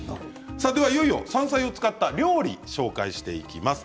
いよいよ山菜を使った料理を紹介していきます。